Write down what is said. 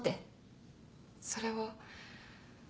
それは。